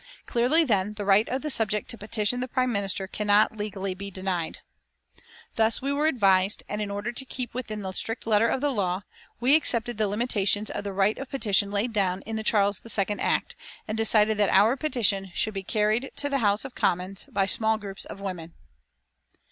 Clearly, then, the right of the subject to petition the Prime Minister cannot be legally denied. Thus were we advised, and in order to keep within the strict letter of the law, we accepted the limitations of the right of petition laid down in the Charles II Act, and decided that our petition should be carried to the House of Commons by small groups of women.